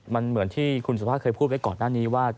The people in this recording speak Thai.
มันเหมือนที่คุณสุภาพเคยพูดไว้ก่อนหน้านี้ว่า